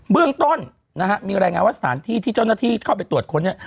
เรื่องต้นนะฮะมีรายงานว่าสถานที่ที่เจ้าหน้าที่เข้าไปตรวจค้นเนี่ย